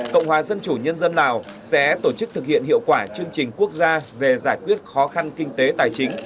cộng hòa dân chủ nhân dân lào sẽ tổ chức thực hiện hiệu quả chương trình quốc gia về giải quyết khó khăn kinh tế tài chính